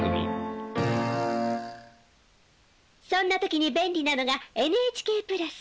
そんな時に便利なのがＮＨＫプラス！